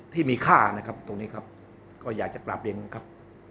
ที่มีค่าตรงนี้ครับก็อยากจะกราบอย่างนั้นครับ